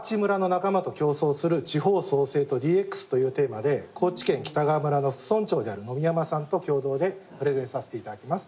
本日はというテーマで高知県北川村の副村長である野見山さんと共同でプレゼンさせていただきます。